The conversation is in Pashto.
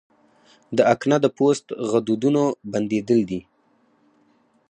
د اکنه د پوست غدودونو بندېدل دي.